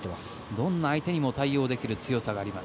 どんな相手にも対応できる強さがあります